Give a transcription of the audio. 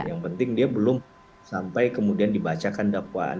yang penting dia belum sampai kemudian dibacakan dakwaan